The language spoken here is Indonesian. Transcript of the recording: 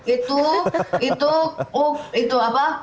itu itu oh itu apa